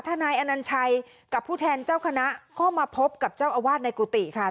นายอนัญชัยกับผู้แทนเจ้าคณะก็มาพบกับเจ้าอาวาสในกุฏิค่ะ